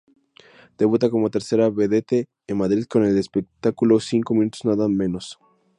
Debuta como tercera vedette en Madrid con el espectáculo "¡Cinco minutos nada menos!".